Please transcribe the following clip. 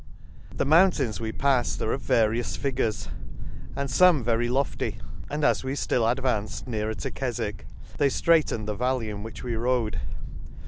~ The mountains we palled are of various figures, and fome very lofty ; and as we (till advanced nearer to Kefwick, they ftraitened the valley in which we rode.